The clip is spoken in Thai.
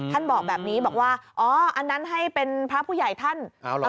บอกแบบนี้บอกว่าอ๋ออันนั้นให้เป็นพระผู้ใหญ่ท่าน